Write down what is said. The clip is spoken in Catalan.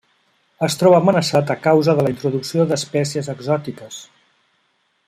Es troba amenaçat a causa de la introducció d'espècies exòtiques.